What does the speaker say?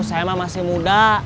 saya mah masih muda